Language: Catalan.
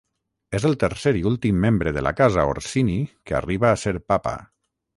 És el tercer i últim membre de la casa Orsini que arriba a ser papa.